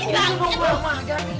ini semua emak garing banget sih ini mak